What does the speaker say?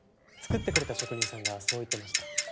作ってくれた職人さんがそう言ってました。